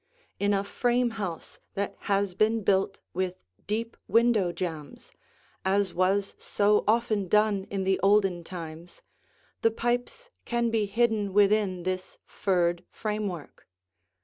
In a frame house that has been built with deep window jambs, as was so often done in the olden times, the pipes can be hidden within this furred framework.